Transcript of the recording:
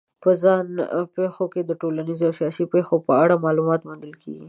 په ځان پېښو کې د ټولنیزو او سیاسي پېښو په اړه معلومات موندل کېږي.